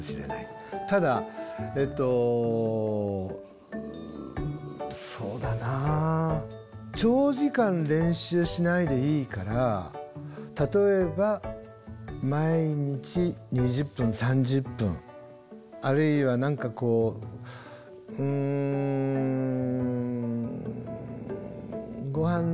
ただえっとそうだな長時間練習しないでいいから例えば毎日２０分３０分あるいは何かこううんごはん